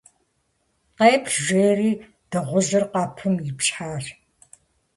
- Къеплъ, - жери дыгъужьыр къэпым ипщхьащ.